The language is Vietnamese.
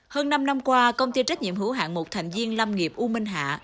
hơn năm năm qua công ty trách nhiệm hữu hạng một thành viên lâm nghiệp u minh hạ